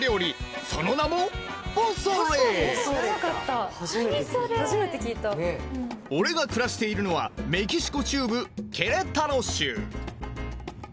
その名も俺が暮らしているのはメキシコ中部ケレタロ州。